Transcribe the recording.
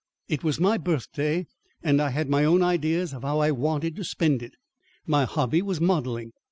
It was my birthday and I had my own ideas of how I wanted to spend it. My hobby was modelling.